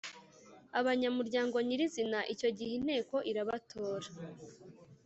abanyamuryango nyirizina icyo gihe Inteko irabatora.